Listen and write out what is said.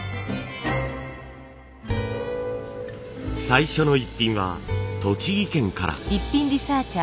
最初のイッピンは栃木県から。